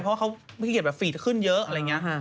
เพราะเขาเกลียดฟีตขึ้นเยอะอะไรอย่างนี้